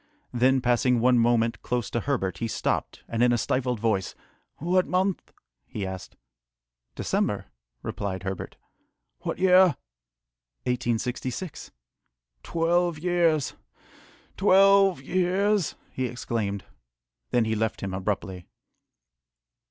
Then, passing one moment close to Herbert, he stopped, and in a stifled voice, "What month?" he asked. "December," replied Herbert. "What year?" "1866." "Twelve years! twelve years!" he exclaimed. Then he left him abruptly.